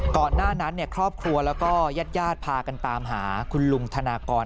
ก่อนหน้านั้นครอบครัวแล้วก็ญาติพากันตามหาคุณลุงธนากร